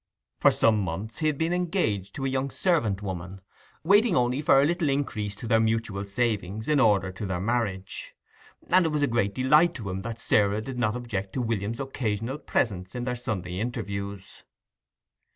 For some months he had been engaged to a young servant woman, waiting only for a little increase to their mutual savings in order to their marriage; and it was a great delight to him that Sarah did not object to William's occasional presence in their Sunday interviews.